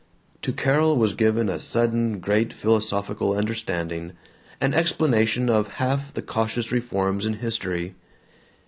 To Carol was given a sudden great philosophical understanding, an explanation of half the cautious reforms in history.